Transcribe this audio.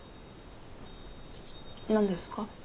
何ですか？